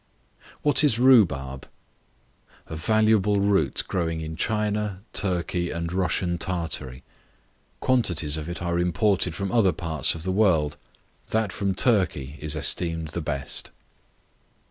What is Rhubarb? A valuable root growing in China, Turkey, and Russian Tartary. Quantities of it are imported from other parts of the world: that from Turkey is esteemed the best.